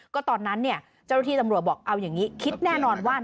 ก็ตอนนั้นเนี่ยเจ้าหน้าที่ตำรวจบอกเอาอย่างนี้คิดแน่นอนว่า